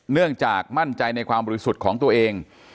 เนื่องจากมั่นใจในความบริสุทธิ์ของตัวเอง